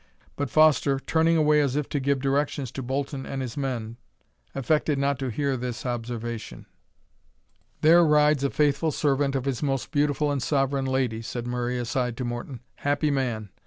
But Foster, turning away as if to give directions to Bolton and his men, affected not to hear this observation. "There rides a faithful servant of his most beautiful and Sovereign Lady," said Murray aside to Morton. "Happy man!